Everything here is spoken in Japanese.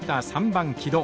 ３番木戸。